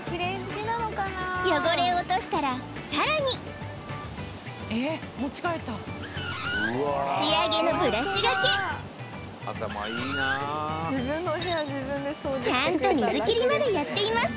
汚れを落としたらさらに仕上げのブラシがけちゃんと水切りまでやっています